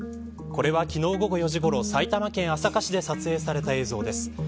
これは昨日午後４時ごろ埼玉県朝霞市で撮影された映像です。